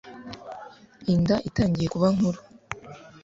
inda itangiye kuba nkuru